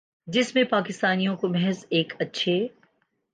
جس میں پاکستانیوں کو محض ایک اچھے